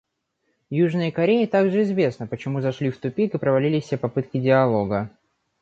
Южной Корее также известно, почему зашли в тупик и провалились все попытки диалога.